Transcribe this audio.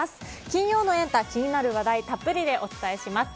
金曜のエンタ！、気になる話題たっぷりでお伝えします。